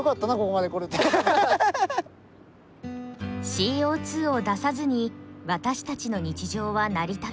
ＣＯを出さずに私たちの日常は成り立たない。